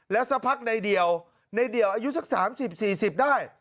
แล้วสักพักในเดี่ยวในเดี่ยวอายุสัก๓๐๔๐ได้